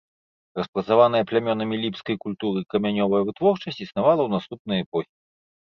Распрацаваная плямёнамі ліпскай культуры крамянёвая вытворчасць існавала ў наступныя эпохі.